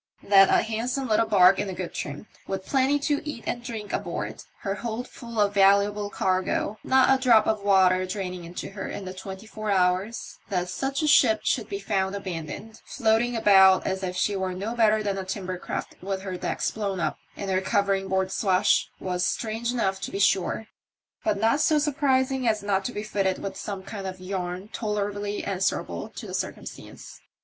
That a handsome little barque in good trim, with plenty to eat and drink aboard, her hold full of valuable cargo, not a drop of water drainiBg into her in the twenty four hours — that such a ship should be found abandoned, floating about as if she were no better than a timber craft with her decks blown up and her covering board awash, was strange enough to be sure, but not so surprising as not to be fitted with some kind of yarn tolerably answerable to the circumstance.